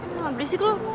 lu gak berisik lu